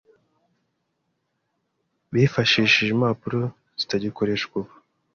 bifashishije impapuro zitagikoreshwa ubu